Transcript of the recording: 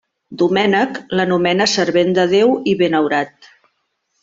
Domènec l'anomena servent de Déu i benaurat.